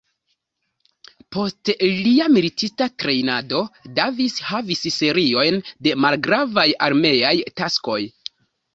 Post lia militista trejnado, Davis havis seriojn de malgravaj armeaj taskoj.